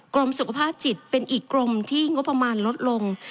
กรมสุขภาพจิตเป็นอีกกรมที่งบประมาณลดลง